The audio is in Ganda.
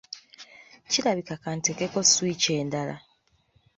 Kirabika ka nteekeko switch endala.